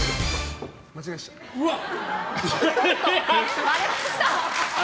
うわっ！